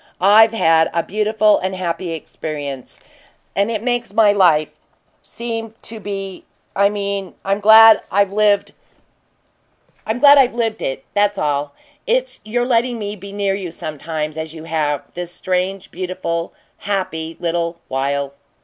I've had a beautiful and happy experience, and it makes my life seem to be I mean I'm glad I've lived it! That's all; it's your letting me be near you sometimes, as you have, this strange, beautiful, happy little while!"